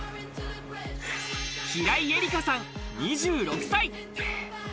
平井絵梨夏さん、２６歳。